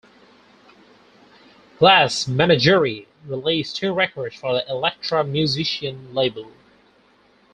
Glass Menagerie released two records for the Elektra Musician label.